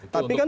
tapi kan tentu